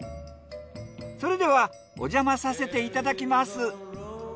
それではおじゃまさせていただきます。